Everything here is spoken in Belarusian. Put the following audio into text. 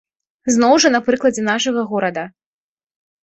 Зноў жа на прыкладзе нашага горада.